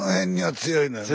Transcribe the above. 強いのよ。